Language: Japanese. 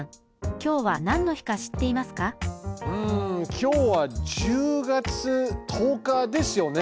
きょうは１０月１０日ですよね。